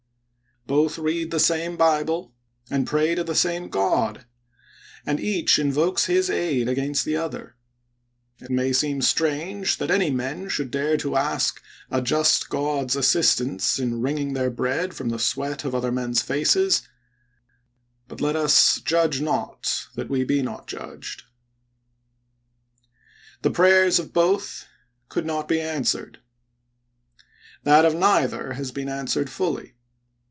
Both read the same Bible, and pray to the same God ; and each in vokes his aid against the other. It may seem strange that any men should dare to ask a just God's assistance in wringing their bread from the sweat of other men's faces ; but let us judge not, that we be not judged. The prayers of both could not be answered — that of neither has been answered fully.